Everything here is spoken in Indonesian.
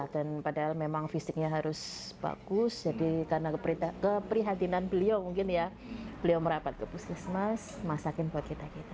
dan padahal memang fisiknya harus bagus jadi karena keprihatinan beliau mungkin ya beliau merapat ke puskesmas masakin buat kita kita